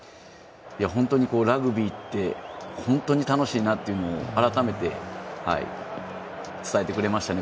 本当に、ラグビーって本当に楽しいなっていうのを改めて伝えてくれましたね。